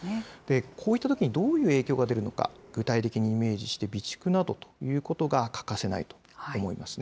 こういったときにどういった影響が出るのか、具体的にイメージして、備蓄などということが欠かせないと思いますね。